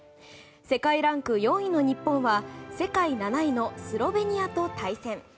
世界ランク４位の日本は世界７位のスロベニアと対戦。